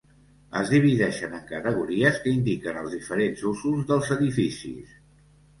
Es divideixen en categories que indiquen els diferents usos dels edificis.